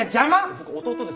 僕弟です。